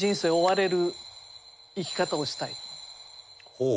ほう。